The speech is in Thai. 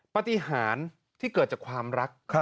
ปฏิหารที่เกิดจากความรัก